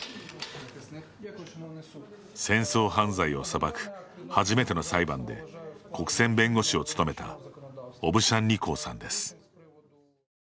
戦争犯罪を裁く初めての裁判で国選弁護士を務めたオブシャンニコウさんです。